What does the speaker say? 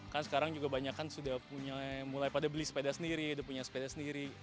kan sekarang juga banyak kan sudah mulai pada beli sepeda sendiri udah punya sepeda sendiri